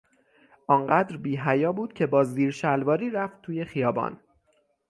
آن قدر بیحیا بود که با زیر شلواری رفت توی خیابان.